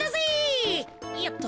よっと。